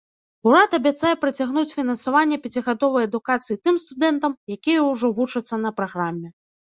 Урад абяцае працягнуць фінансаванне пяцігадовай адукацыі тым студэнтам, якія ўжо вучацца на праграме.